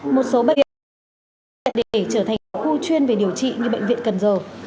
một số bệnh viện đã được đưa ra để trở thành khu chuyên về điều trị như bệnh viện cần giờ